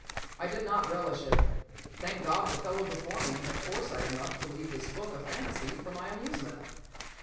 I did not relish it. Thank God the fellow before me had had foresight enough to leave his book of fantasy for my amusement!